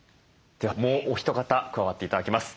ではもうお一方加わって頂きます。